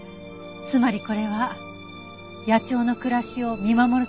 つまりこれは野鳥の暮らしを見守るためのものなんです。